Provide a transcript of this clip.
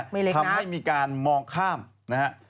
ทำให้มีการมองข้ามนะฮะ